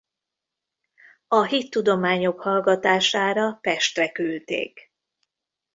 A hittudományok hallgatására Pestre küldték.